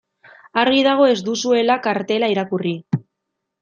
Argi dago ez duzuela kartela irakurri.